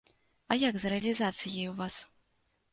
А як з рэалізацыяй у вас?